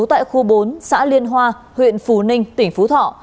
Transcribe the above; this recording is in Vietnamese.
tại khu bốn xã liên hoa huyện phú ninh tỉnh phú thọ